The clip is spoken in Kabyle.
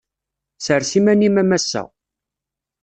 Sers iman-im a massa.